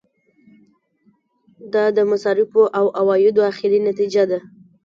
دا د مصارفو او عوایدو اخري نتیجه ده.